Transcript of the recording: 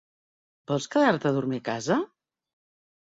Vols quedar-te a dormir a casa?